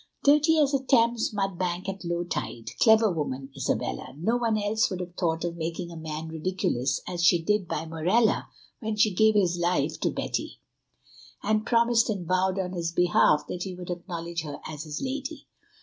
"Dirty as a Thames mud bank at low tide. Clever woman, Isabella. No one else would have thought of making a man ridiculous as she did by Morella when she gave his life to Betty, and promised and vowed on his behalf that he would acknowledge her as his lady.